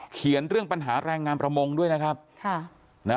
เขียนเรื่องปัญหาแรงงานประมงด้วยนะครับค่ะนะ